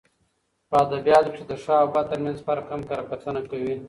په اد بیاتو کښي د ښه او بد ترمنځ فرق هم کره کتنه کوي.